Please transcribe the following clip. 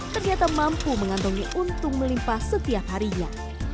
ternyata mampu mengantungi untung melimpa setiap harinya